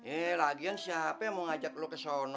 eh radian siapa yang mau ngajak lo ke sana